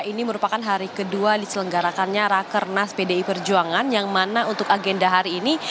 ini merupakan hari kedua diselenggarakannya rakernas pdi perjuangan yang mana untuk agenda hari ini